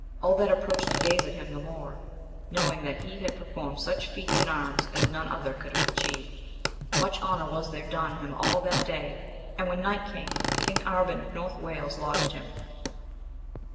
All then approached to gaze at him the more, knowing that he had per formed such feats in arms as none other could have atchieved ; much honour was there done him all that day, and when night came King Arban of North Wales lodged him.